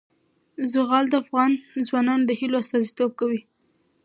زغال د افغان ځوانانو د هیلو استازیتوب کوي.